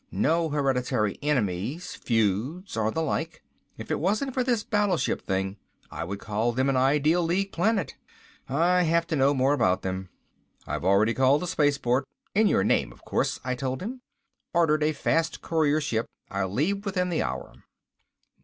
No hereditary enemies, feuds or the like. If it wasn't for this battleship thing, I would call them an ideal League planet. I have to know more about them." "I've already called the spaceport in your name of course," I told him. "Ordered a fast courier ship. I'll leave within the hour."